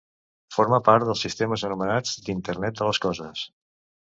Forma part dels sistemes anomenats d'internet de les coses.